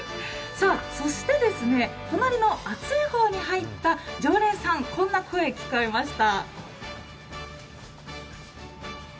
そして隣のあつい方に入った常連さん、こんな声、聞かれたました。